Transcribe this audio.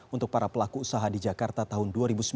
untuk para pelaku usaha di jakarta tahun dua ribu sembilan belas